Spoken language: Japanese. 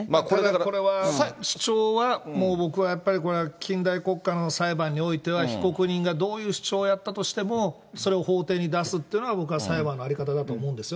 これは、主張はもう僕はやっぱりこれは近代国家の裁判においては、被告人がどういう主張をやったとしても、それを法廷に出すっていうのは僕は裁判の在り方だと思うんですよ。